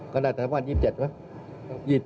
ก็น่าจะถึงประมาณ๒๗มั้ย